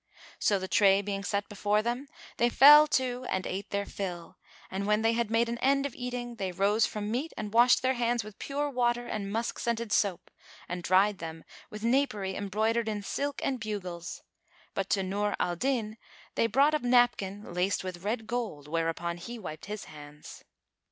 So, the tray being sat before them, they fell to and ate their fill; and when they had made an end of eating, they rose from meat and washed their hands with pure water and musk scented soap, and dried them with napery embroidered in silk and bugles; but to Nur al Din they brought a napkin laced with red gold whereon he wiped his hands.